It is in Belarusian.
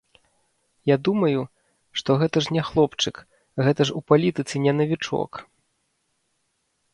Я думаю, што гэта ж не хлопчык, гэта ж у палітыцы не навічок.